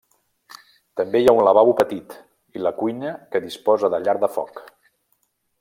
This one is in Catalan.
També hi ha un lavabo petit, i la cuina que disposa de llar de foc.